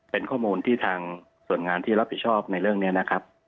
เป็นข้อมูลที่ทางส่วนงานที่รับผิดชอบในเรื่องนี้นะครับ